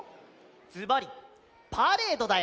ずばりパレードだよ！